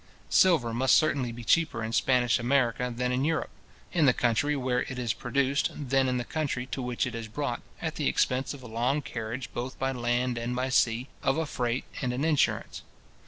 Silver must certainly be cheaper in Spanish America than in Europe; in the country where it is produced, than in the country to which it is brought, at the expense of a long carriage both by land and by sea, of a freight, and an insurance.